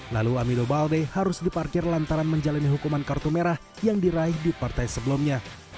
lalu amido balde harus diparkir lantaran menjalani hukuman kartu merah yang diraih di partai sebelumnya